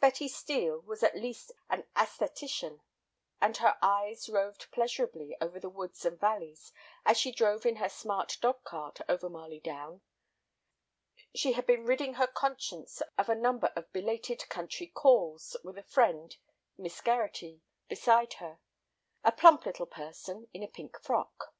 Betty Steel was at least an æsthetician, and her eyes roved pleasurably over the woods and valleys as she drove in her smart dog cart over Marley Down. She had been ridding her conscience of a number of belated country "calls" with a friend, Miss Gerratty, beside her, a plump little person in a pink frock.